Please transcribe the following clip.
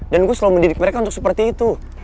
dan gue selalu mendidik mereka untuk seperti itu